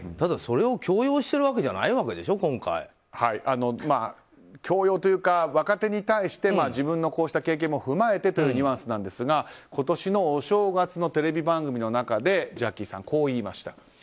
それを強要してるわけじゃ強要というか若手に対して自分のこうした経験も踏まえてというニュアンスですが今年のお正月のテレビ番組の中でジャッキーさん、こう言いました。